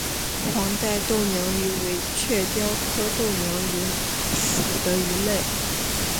黄带豆娘鱼为雀鲷科豆娘鱼属的鱼类。